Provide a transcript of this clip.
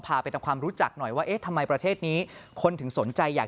ไปทำความรู้จักหน่อยว่าเอ๊ะทำไมประเทศนี้คนถึงสนใจอยาก